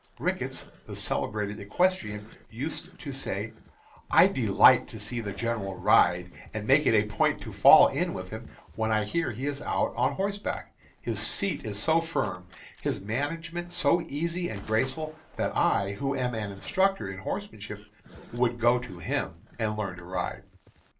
Rickets, the celebrated equestrian, used to say, "I delight to see the General ride and make it a point to fall in with him when I hear he is out on horseback his seat is so firm, his management so easy and graceful that I who am an instructor in horsemanship would go to him and learn to ride."